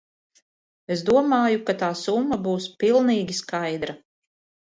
Es domāju, ka tā summa būs pilnīgi skaidra.